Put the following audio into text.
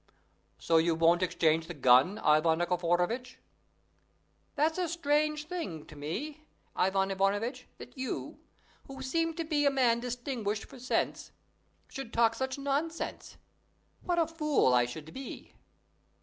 So you won't exchange the gun, Ivan Nikiforovitch?" "It's a strange thing to me, Ivan Ivanovitch, that you, who seem to be a man distinguished for sense, should talk such nonsense. What a fool I should be!"